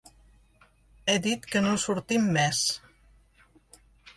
He dit que no sortim més.